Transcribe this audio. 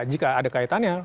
jika ada kaitannya